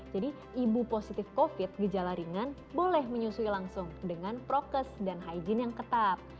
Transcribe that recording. jadi ibu positif covid gejala ringan boleh menyusui langsung dengan prokes dan hijen yang ketat